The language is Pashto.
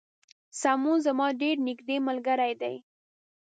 سمون زما ډیر نږدې ملګری دی